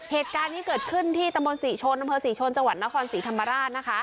เหตุการณ์ที่เกิดขึ้นที่ตมศิชนตมศิชนจนครศรีธรรมราช